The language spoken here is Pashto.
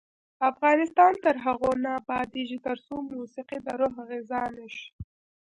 افغانستان تر هغو نه ابادیږي، ترڅو موسیقي د روح غذا نشي.